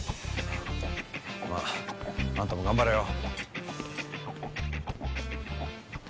まああんたも頑張れよ。